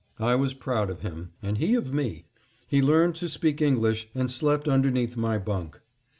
I was proud of him, and he of me. He learned to speak English and slept underneath my bunk.